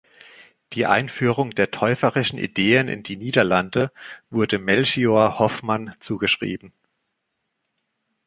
Die Einführung der täuferischen Ideen in die Niederlande wurde Melchior Hoffman zugeschrieben.